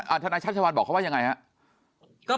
อาธิบัติชัพชะวัลบอกเขาว่ายังไงครับ